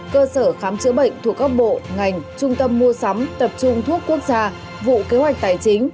cơ sở khám chữa bệnh thuộc các bộ ngành trung tâm mua sắm tập trung thuốc quốc gia vụ kế hoạch tài chính